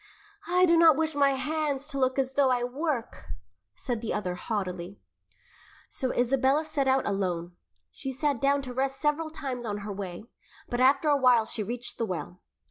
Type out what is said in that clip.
"I do not wish my hands to look as though I work," said the other haughtily. So Isabella set out alone. She sat down to rest several times on her way, but after a while she reached the well.